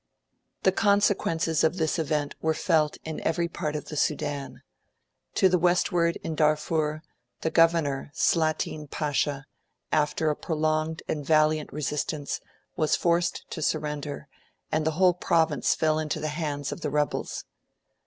The consequences of this event were felt in every part of the Sudan. To the westward, in Darfur, the Governor, Slatin Pasha, after a prolonged and valiant resistance, was forced to surrender, and the whole province fell into the hands of the rebels.